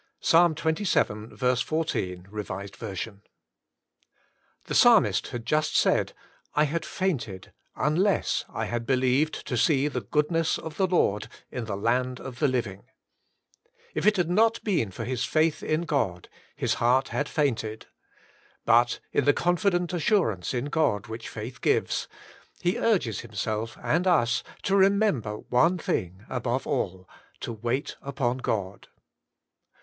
— Ps xxvii. 14 (R.T.)b THE psalmist had just said, * I had fainted, unless I had believed to see the goodness of the Lord in the land of the living.' If it had not been for his faith in God, his heart had fainted. But in the confident assurance in God which faith gives, he urges himself and us ta remember one thing above all, — to wait upon God.